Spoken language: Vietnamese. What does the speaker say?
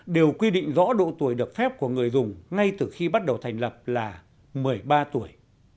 đều quy định rõ độ tuổi được phép của người dùng ngay từ khi bắt đầu thành lập là một mươi ba tuổi